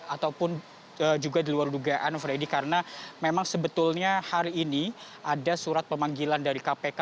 ataupun juga diluar dugaan freddy karena memang sebetulnya hari ini ada surat pemanggilan dari kpk